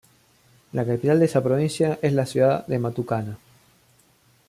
La capital de esta provincia es la ciudad de Matucana.